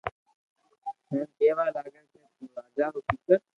ھين ڪي وا لاگيا ڪي تو راجا رو ڪيڪر